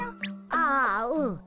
ああうん。